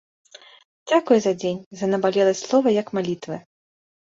Дзякую за дзень, за набалеласць слова як малітвы.